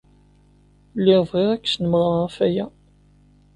Lliɣ bɣiɣ ad k-snemmreɣ ɣef waya.